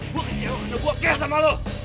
gue kecewa karena gue kecewa sama lo